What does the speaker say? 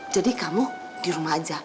jadi kamu di rumah aja